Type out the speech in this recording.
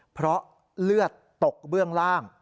เพราะเลือดตกเบื้องล่าง